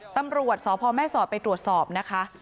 ตำรวจสพแม่สอดไปตรวจสอบนะคะ